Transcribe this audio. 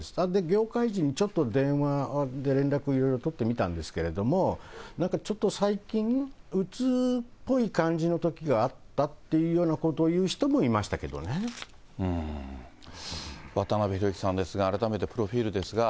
業界人にちょっと、電話で連絡いろいろ取ってみたんですけど、ちょっと最近、うつっぽい感じのときがあったっていうようなことを言う人もいま渡辺裕之さんですが、改めてプロフィールですが。